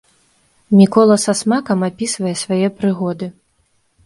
Мікола са смакам апісвае свае прыгоды.